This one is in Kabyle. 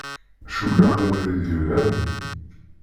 Cukkeɣ d abrid yelhan.